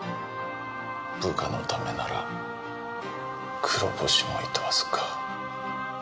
部下のためなら黒星もいとわずか。